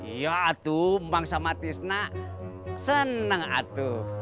iya atu emang sama tisnak seneng atu